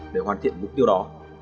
để hoàn thiện mục tiêu đó